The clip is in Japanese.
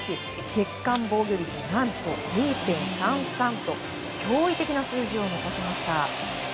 月間防御率は何と０．３３と驚異的な数字を残しました。